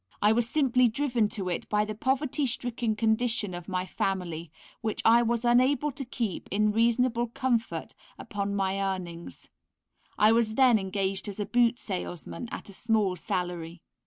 I was simply driven to it by the poverty stricken condition of my family, which I was unable to keep in reasonable comfort upon my earnings (I was then engaged as a boot salesman, at a small salary).